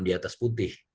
di atas putih